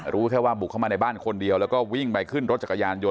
รู้แค่ว่าบุกเข้ามาในบ้านคนเดียวแล้วก็วิ่งไปขึ้นรถจักรยานยนต